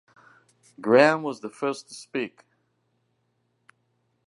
Graham was the first to speak.